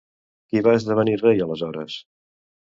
Qui va esdevenir rei aleshores?